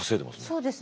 そうですね。